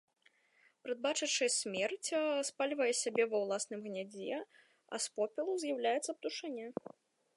Прадбачачы смерць, спальвае сябе ва ўласным гняздзе, а з попелу з'яўляецца птушаня.